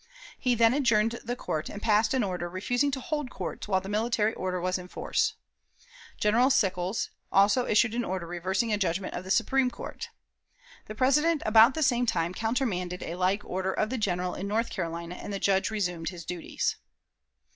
He then adjourned the court, and passed an order refusing to hold courts while the military order was in force. General Sickles also issued an order reversing a judgment of the Supreme Court. The President about the same time countermanded a like order of the General in North Carolina, and the Judge resumed his duties.